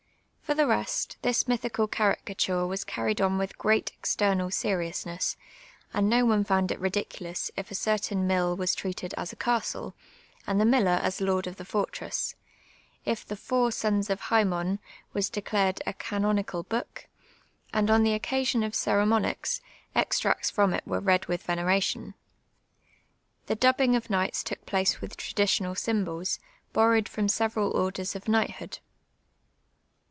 For the rest, this niytliieal caricature was carried on witii ^eat external serious nc>s, and no one found it ridiculous if a eertain mill was tieated as a castle, and the miller as lord of the fortress, if tlie " Four Sons of Ilaimon " was declared a canonical Ixiok, and on the occasion of ceremonies, extracts from it were read with venerati(m. The dubhinjj^ of knights took place with traditional symbols, bonowed from several orders of kni; rhtli()0(l.